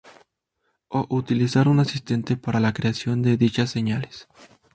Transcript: O utilizar un asistente para la creación de dichas señales.